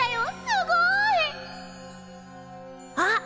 すごい！あっ！